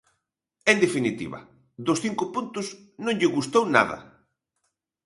En definitiva, dos cinco puntos non lle gustou nada.